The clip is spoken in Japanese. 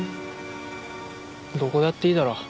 どこだっていいだろ。